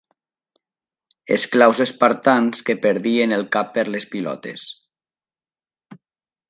Esclaus espartans que perdien el cap per les pilotes.